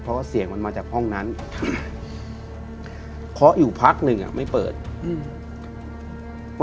เพราะว่าเสียงมันมาจากห้องนั้นครับเคาะอยู่พักหนึ่งอ่ะไม่เปิดอืม